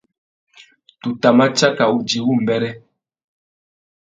Tu tà ma tsaka udjï wumbêrê.